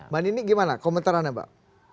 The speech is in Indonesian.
manini gimana komentarannya mbak